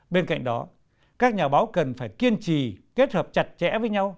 bên cạnh đó các nhà báo cần phải kiên trì kết hợp chặt chẽ với nhau